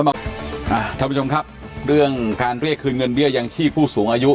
ท่านผู้ชมครับเรื่องการเรียกคืนเงินเบี้ยยังชีพผู้สูงอายุ